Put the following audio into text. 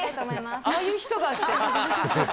ああいう人がって。